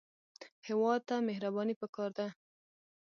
هېواد ته مهرباني پکار ده